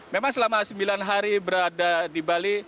memang selama sembilan hari berada di bali